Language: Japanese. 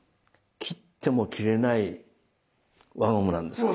切っても切れない輪ゴムなんです。